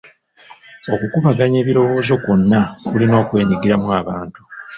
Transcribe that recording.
Okukubaganya ebirowoozo kwonna kulina okwenyigiramu abantu.